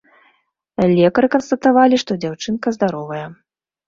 Лекары канстатавалі, што дзяўчынка здаровая.